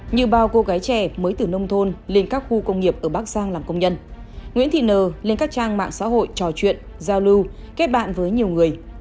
như bao cô gái trẻ mới từ nông thôn lên các khu công nghiệp ở bắc giang làm công nhân nguyễn thị nờ lên các trang mạng xã hội trò chuyện giao lưu kết bạn với nhiều người